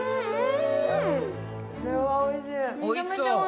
おいしそう。